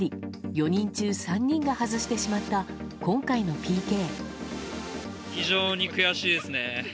４人中３人が外してしまった今回のＰＫ。